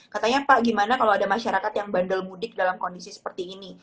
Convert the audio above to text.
katanya pak gimana kalau ada masyarakat yang bandel mudik dalam kondisi seperti ini